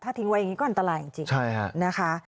ทิ้งไว้อย่างนี้ก็อันตรายจริงนะคะ